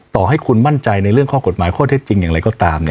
ต่อให้คุณมั่นใจในเรื่องข้อกฎหมายข้อเท็จจริงอย่างไรก็ตาม